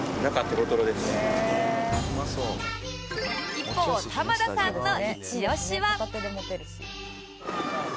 一方玉田さんのイチオシは